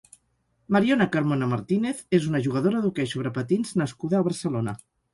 Mariona Carmona Martínez és una jugadora d'hoquei sobre patins nascuda a Barcelona.